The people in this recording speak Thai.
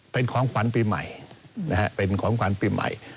เป็นของขวัญปีใหม่เป็นของขวัญปีใหม่